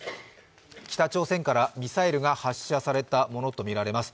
北朝鮮からミサイルが発射されたものとみられます。